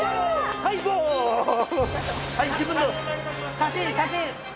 写真写真。